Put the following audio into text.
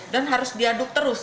dan harus diaduk terus